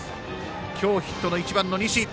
今日ヒットの１番の西。